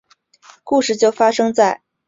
故事就发生在录音开始的前一年。